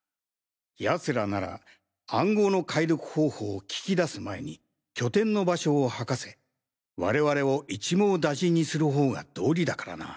奴らなら暗号の解読方法を聞き出す前に拠点の場所を吐かせ我々を一網打尽にする方が道理だからな。